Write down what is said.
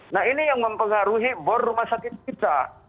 nah ini yang mempengaruhi bor rumah sakit kita